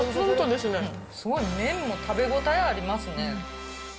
すごい麺も食べ応えありますね。